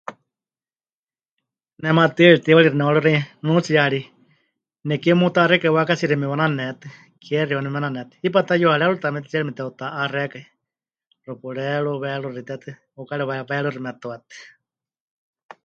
Ne maatɨari teiwarixi nemɨwaruxéi nunuutsiyari, nekie memuta'axékai waakátsiixi mewananetɨ, keexiu waaníu menanetɨ, hipátɨ ta yuharerutamete tsiere meteuta'axekai, xupureeru, weeruxite tɨ, 'ukári waweeruxi metuátɨ.